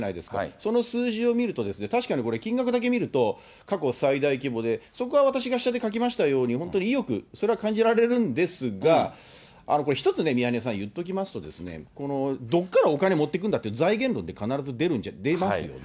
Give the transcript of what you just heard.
その数字を見ると、これ、確かに金額だけ見ると、過去最大規模で、そこは私が下で書きましたように、本当に意欲、それは感じられるんですが、一つ、宮根さん、言っておきますと、このどっからお金持ってくんだって、財源論って必ず出ますよね。